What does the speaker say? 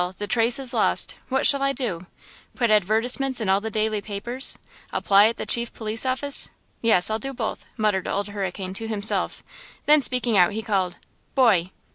the trace is lost! What shall I do?–put advertisements in all the daily papers–apply at the chief police office? Yes, I'll do both," muttered Old Hurricane to himself; then, speaking out, he called: "Boy!"